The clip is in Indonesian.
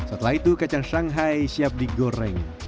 setelah itu kacang shanghai siap digoreng